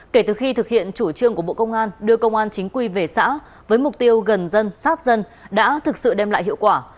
kể từ khi thực hiện chủ trương của bộ công an đưa công an chính quy về xã với mục tiêu gần dân sát dân đã thực sự đem lại hiệu quả